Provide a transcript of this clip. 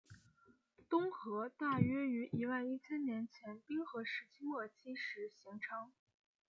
东河大约于一万一千年前冰河时期末期时形成。